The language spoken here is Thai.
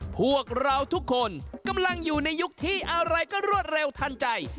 พวกเราทุกคนกำลังอยู่ในยุคที่อะไรก็รวดเร็วทันใจ